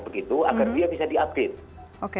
begitu agar dia bisa diupdate oke